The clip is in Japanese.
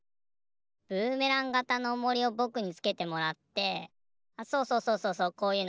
ブーメランがたのおもりをぼくにつけてもらってあっそうそうそうそうそうこういうの。